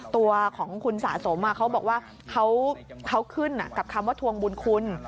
ตัวของคุณสะสมเขาบอกว่าเขาขึ้นกับคำว่าทวงบุญคุณ